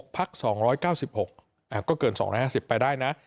พัก๒๙๖ก็เกิน๒๕๐ไปได้นะ